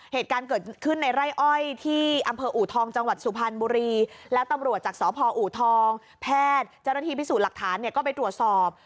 เหตุการณ์เกิดขึ้นในไร่อ้อยที่อำเภออูทองจังหวัดสุพรรณบุรีแล้วตำรวจจากสพอูทองแพทย์เจ้าหน้าที่พิสูจน์หลักฐานเนี่ยก็ไปตรวจสอบ